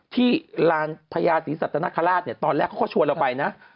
๒ที่ลานพญาติศัตริย์นักฆาตตอนแรกเขาก็ชวนเราไปนะ